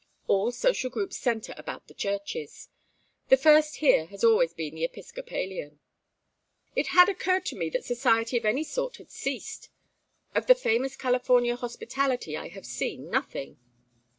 All social groups centre about the churches. The first here has always been the Episcopalian." "It had occurred to me that society of any sort had ceased. Of the famous California hospitality I have seen nothing.